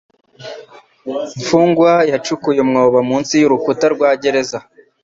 Imfungwa yacukuye umwobo munsi y'urukuta rwa gereza.